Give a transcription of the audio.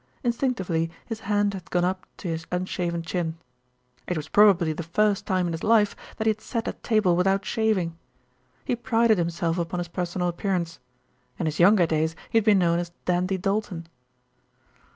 Instinctively his hand had gone up to his unshaven chin. It was probably the first time in his life that he had sat at table without shaving. He prided himself upon his personal appearance. In his younger days he had been known as "Dandy Doulton."